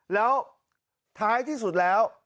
แล้วท้ายที่สุดแล้ว